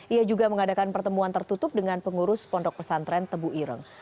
ia juga mengadakan pertemuan tertutup dengan pengurus pondok pesantren tebu ireng